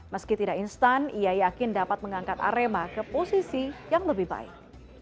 meski tidak instan ia yakin dapat mengangkat arema ke posisi yang lebih baik